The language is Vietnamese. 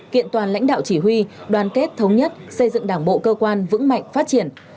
kiện toàn lãnh đạo chỉ huy đoàn kết thống nhất xây dựng đảng bộ cơ quan vững mạnh phát triển